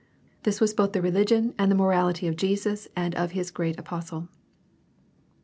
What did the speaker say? This was both the religion and the moraUty of Jesus and of his great apostle.